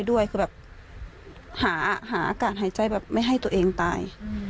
ด้วยคือแบบหาอากาศหายใจแบบไม่ให้ตัวเองตาย